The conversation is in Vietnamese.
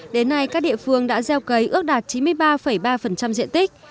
đến nay các địa phương đã gieo cấy ước đạt chín mươi ba ba diện tích